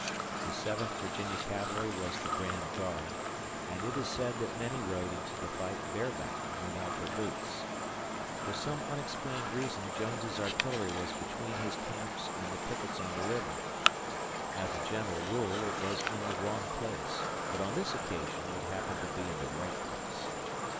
The Seventh Virginia Cavalry was the grand guard, and it is said that many rode into the fight bareback and without their boots. For some unexplained reason Jones's artillery was between his camps and the pickets on the river. As a general rule, it was in the wrong place, but on this occasion it happened to be in the right place.